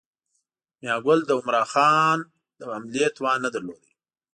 میاګل د عمرا خان د حملې توان نه درلود.